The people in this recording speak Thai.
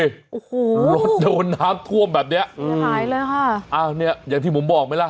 โอ้โหรถโดนน้ำท่วมแบบเนี้ยอืมหายเลยค่ะอ้าวเนี้ยอย่างที่ผมบอกไหมล่ะ